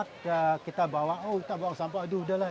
kita bawa oh kita bawa sampah aduh udah lah